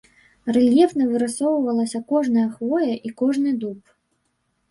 Рэльефна вырысоўвалася кожная хвоя і кожны дуб.